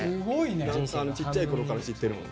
ダンサーのちっちゃいころから知ってるもん。